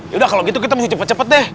yaudah kalau gitu kita mesti cepet cepet deh